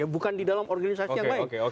bukan di dalam organisasi yang baik